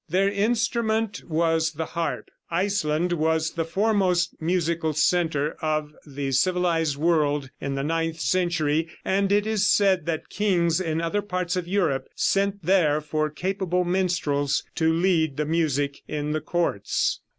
Their instrument was the harp. Iceland was the foremost musical center of the civilized world in the ninth century, and it is said that kings in other parts of Europe sent there for capable minstrels to lead the music in the courts.